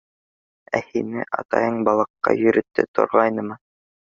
— Ә һине атайың балыҡҡа йөрөтә торғайнымы?